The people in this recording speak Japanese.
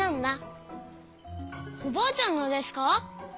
おばあちゃんのですか？